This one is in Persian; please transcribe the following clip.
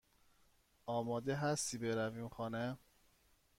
آماده هستی برویم خانه؟